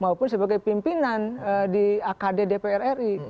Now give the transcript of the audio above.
maupun sebagai pimpinan di akd dpr ri